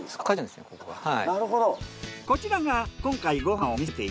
はい。